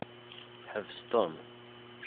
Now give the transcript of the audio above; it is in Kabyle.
Ḥbes Tom.